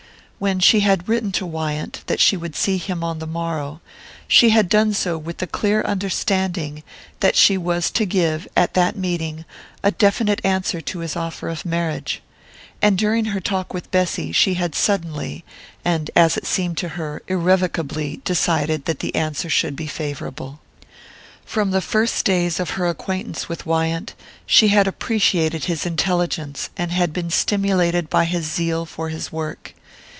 When she had written to Wyant that she would see him on the morrow she had done so with the clear understanding that she was to give, at that meeting, a definite answer to his offer of marriage; and during her talk with Bessy she had suddenly, and, as it seemed to her, irrevocably, decided that the answer should be favourable. From the first days of her acquaintance with Wyant she had appreciated his intelligence and had been stimulated by his zeal for his work.